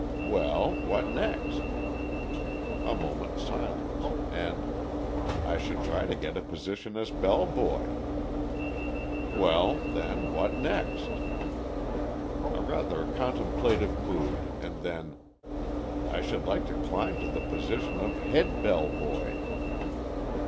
'Well, what next?' A moment's silence, and, 'I should try to get a position as bell boy.' 'Well, then, what next?' A rather contemplative mood, and then, 'I should like to climb to the position of head bell boy.'